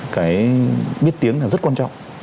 cái biết tiếng là rất quan trọng